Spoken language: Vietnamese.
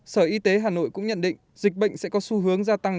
sở y tế hà nội cũng nhận định dịch bệnh sẽ có xu hướng gia tăng